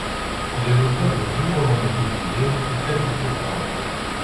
Il est l'auteur de deux romans non publiés et quelques courts romans.